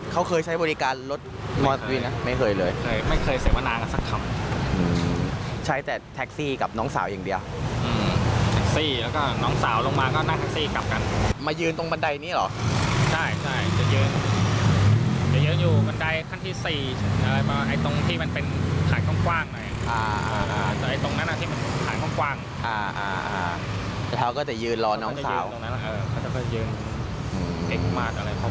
เขาเคยใช้บริการรถไม่เคยเลยไม่เคยไม่เคยเสมอนางันสักคำใช้แต่แท็กซี่กับน้องสาวอย่างเดียวอืมแท็กซี่แล้วก็น้องสาวลงมาก็นั่งแท็กซี่กลับกันมายืนตรงบันไดนี้เหรอใช่ใช่จะยืนจะยืนอยู่บันไดขั้นที่สี่อะไรปะไอตรงที่มันเป็นถ่ายกล้องกว้างหน่อยอ่าอ่าอ่าแต่ไอตรงนั้นน่ะที่มันถ่ายกล้